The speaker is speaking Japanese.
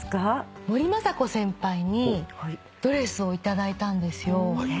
森昌子先輩にドレスを頂いたんですよ。